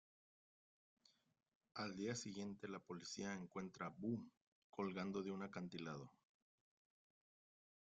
Al día siguiente, la policía encuentra a Boom colgando de un acantilado.